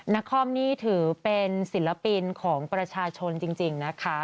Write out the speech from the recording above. นครนี่ถือเป็นศิลปินของประชาชนจริงนะคะ